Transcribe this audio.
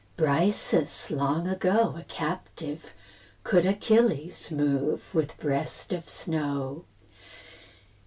Briseis, long ago, A captive, could Achilles move With breast of snow.